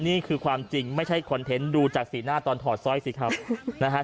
นี่คือความจริงไม่ใช่คอนเทนต์ดูจากสีหน้าตอนถอดสร้อยสิครับนะฮะ